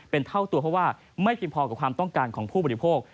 เป็นเท่าตัวเพราะว่าไม่เพียงพอกับความต้องการของผู้บริโภค